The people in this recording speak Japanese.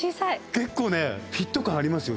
結構ねフィット感ありますよ。